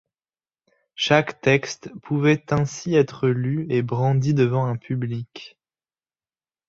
Chaque texte pouvait ainsi être lu et brandi devant un public.